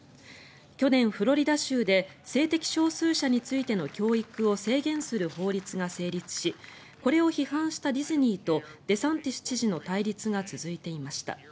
去年、フロリダ州で性的少数者についての教育を制限する法律が成立しこれを批判したディズニーとデサンティス知事の対立が続いていました。